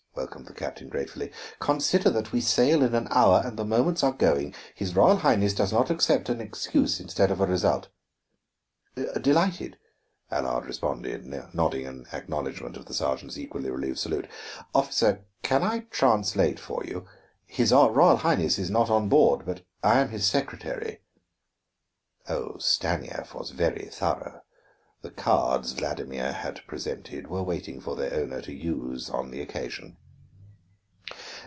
welcomed the captain gratefully. "Consider that we sail in an hour, and the moments are going. His Royal Highness does not accept an excuse instead of a result." "Delighted," Allard responded, nodding an acknowledgment of the sergeant's equally relieved salute. "Officer, can I translate for you? His Royal Highness is not on board, but I am his secretary " Oh, Stanief was very thorough! The cards Vladimir had presented were waiting for their owner to use on the occasion.